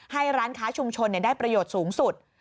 ให้ร้านค้าชุมชนได้ประโยชน์สูงสุด